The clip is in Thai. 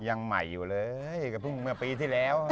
ยังใหม่อยู่เลยก็เพิ่งเมื่อปีที่แล้ว